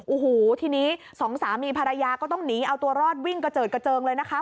โอ้โหทีนี้สองสามีภรรยาก็ต้องหนีเอาตัวรอดวิ่งกระเจิดกระเจิงเลยนะคะ